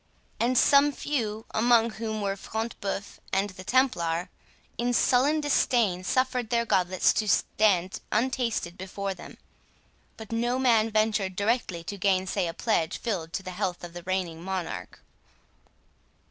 And some few, among whom were Front de Bœuf and the Templar, in sullen disdain suffered their goblets to stand untasted before them. But no man ventured directly to gainsay a pledge filled to the health of the reigning monarch.